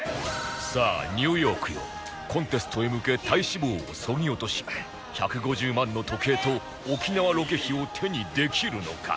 さあニューヨークよコンテストへ向け体脂肪をそぎ落とし１５０万の時計と沖縄ロケ費を手にできるのか？